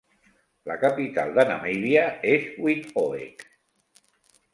La capital de Namíbia és Windhoek.